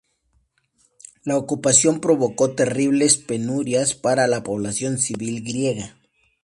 La ocupación provocó terribles penurias para la población civil griega.